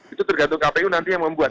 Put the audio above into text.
itu tergantung kpu nanti yang membuat